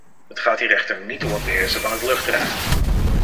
Het gaat hier echter niet om het beheersen van het luchtruim.